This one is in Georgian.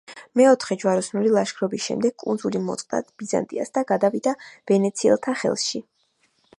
მეოთხე ჯვაროსნული ლაშქრობის შემდეგ კუნძული მოწყდა ბიზანტიას და გადავიდა ვენეციელთა ხელში.